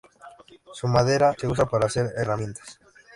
Su madera se usa para hacer herramientas.